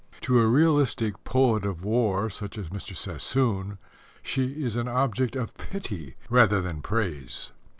To a realistic poet of war such as Mr. Sassoon, she is an object of pity rather than praise.